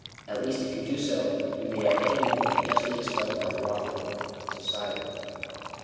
At least if you do so, you may at any moment be justly expelled by the lawful owner — Society."